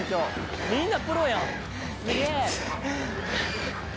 「みんなプロやん」